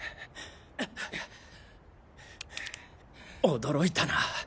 驚いたな。